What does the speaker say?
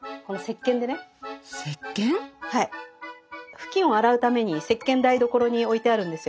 布巾を洗うために石けん台所に置いてあるんですよ。